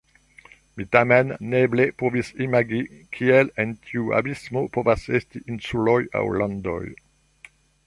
Mi tamen neeble povis imagi, kiel en tiu abismo povas esti insuloj aŭ landoj.